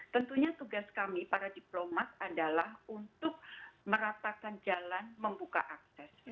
tentunya tugas kami para diplomat adalah untuk meratakan jalan membuka akses